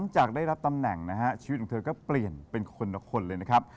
ชีวิตท่านก็เปลี่ยนเป็นคนละคนเลยนะครับ